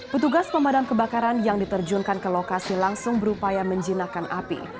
petugas pemadam kebakaran yang diterjunkan ke lokasi langsung berupaya menjinakkan api